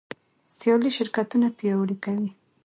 سیالي شرکتونه پیاوړي کوي.